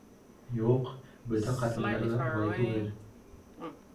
Юҡ, бөтә ҡатындар ҙа улай түгел.